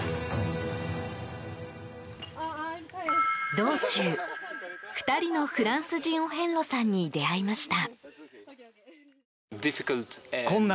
道中、２人のフランス人お遍路さんに出会いました。